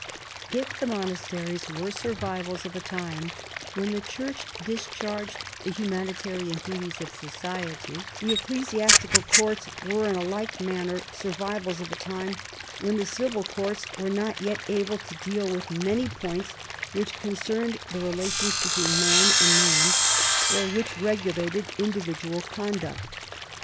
If the monasteries were survivals of a time when the Church discharged the humanitarian duties of society, the ecclesiastical courts were in a like manner survivals of a time when the civil courts were not yet able to deal with many points which concerned the relations between man and man, or which regulated individual conduct.